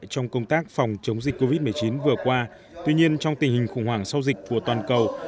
trong công tác phòng chống dịch covid một mươi chín vừa qua tuy nhiên trong tình hình khủng hoảng sau dịch của toàn cầu